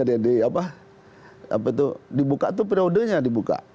dibuka itu periodenya dibuka